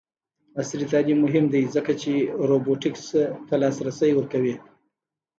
عصري تعلیم مهم دی ځکه چې روبوټکس ته لاسرسی ورکوي.